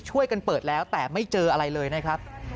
ช่วยกันเปิดแล้วแต่ไม่เจออะไรเลยนะครับ